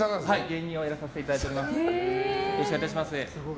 芸人をやらさせていただいています。